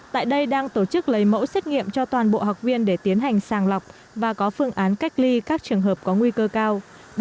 tại đây đang tổ chức lấy mẫu xét nghiệm cho toàn bộ học viên để tiến hành sàng lọc và có phương án cách ly các trường hợp có nguy cơ cao